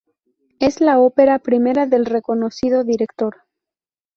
Es la ópera prima del reconocido director.